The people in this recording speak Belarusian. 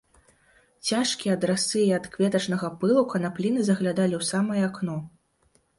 Цяжкія ад расы і ад кветачнага пылу канапліны заглядалі ў самае акно.